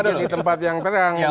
ada di tempat yang terang